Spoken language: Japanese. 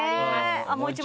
もう１枚？